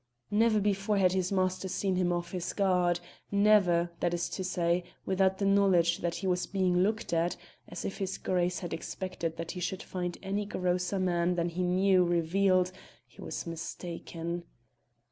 Never before had his master seen him off his guard never, that is to say, without the knowledge that he was being looked at and if his Grace had expected that he should find any grosser man than he knew revealed, he was mistaken.